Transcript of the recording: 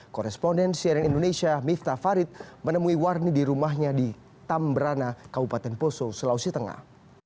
korresponden siren indonesia miftah farid menemui warni di rumahnya di tamberana kabupaten poso selawesi tengah